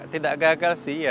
tidak gagal sih ya